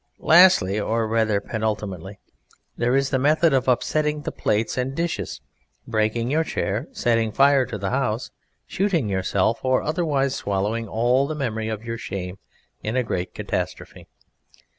Lastly, or rather Penultimately, there is the method of upsetting the plates and dishes, breaking your chair, setting fire to the house, shooting yourself, or otherwise swallowing all the memory of your shame in a great catastrophe.